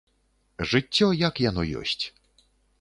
Жыццё як яно ёсць.